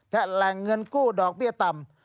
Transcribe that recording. และแหล่งเงินกู้ดอกเบี้ยต่ำ